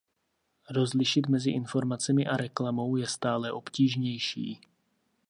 Rozlišit mezi informacemi a reklamou je stále obtížnější.